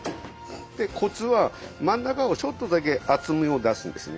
でコツは真ん中をちょっとだけ厚みを出すんですね。